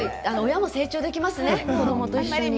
親も成長できますね、子どもと一緒に。